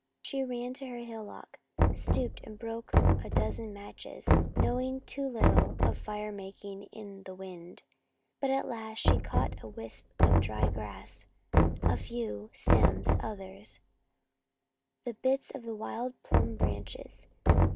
She ran to her hillock, stooped and broke a dozen matches, knowing too little of fire making in the wind. But at last she caught a wisp of dry grass, a few dry stems others, the bits of wild plum branches.